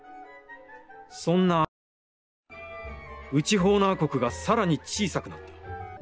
「そんなある日、内ホーナー国がさらに小さくなった。